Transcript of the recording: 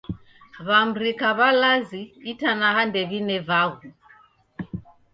W'amrika w'alazi itanaha ndew'ine vaghu